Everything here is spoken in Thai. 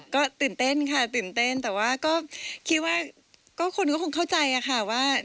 ก็ตื่นเต้นค่ะตื่นเต้นแต่ว่าก็คิดว่าคนก็คงเข้าใจอะค่ะว่า